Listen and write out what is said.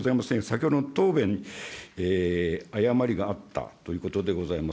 先ほどの答弁、誤りがあったということでございます。